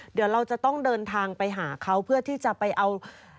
เดี๋ยวเราจะต้องเดินทางไปหาเขาเพื่อที่จะไปเอา